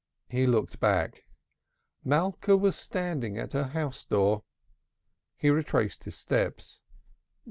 He looked back. Malka was standing at her house door. He retraced his steps.